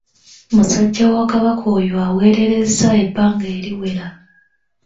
Musajja wa Kabaka oyo aweererezza ebbanga eriwera.